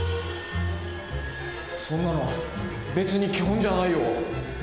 そんなの別に基本じゃないよ。